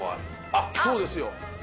あっそうですよ。